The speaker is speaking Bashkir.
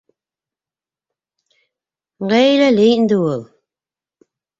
Ғаиләле ине инде ул...